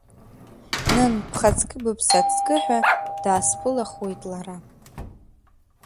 Нын бхаҵкы-быԥсацкы ҳәа, даасԥылахуеит лара.